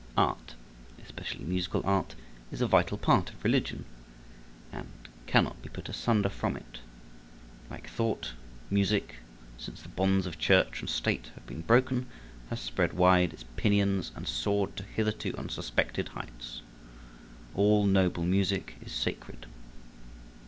Art, especially musical art, is a vital part of religion, and cannot be put asunder from it. Like thought, music, since the bonds of church and state have been broken, has spread wide its pinions and soared to hitherto unsuspected heights. All noble music is sacred.